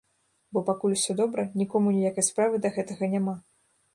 Бо пакуль усё добра, нікому ніякай справы да гэтага няма.